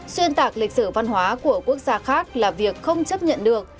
xuyên tạc lịch sử văn hóa của quốc gia khác là việc không chấp nhận được